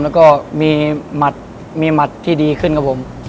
แล้วก็มีหมัดมีหมัดที่ดีขึ้นครับผม